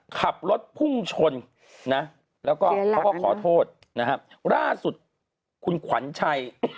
ขับรถพุ่งชนนะแล้วก็เขาก็ขอโทษนะครับล่าสุดคุณขวัญชัย